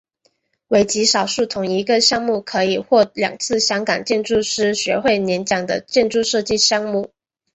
为极少数同一个项目可以获两次香港建筑师学会年奖的建筑设计项目。